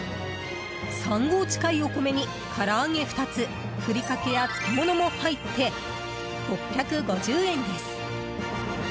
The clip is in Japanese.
３合近いお米にから揚げ２つふりかけや漬物も入って６５０円です。